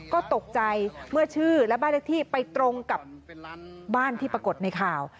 ก็ตกใจเมื่อชื่อและบ้านเลขที่ไปตรงกับบ้านที่ปรากฏในข่าว